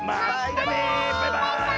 バイバーイ！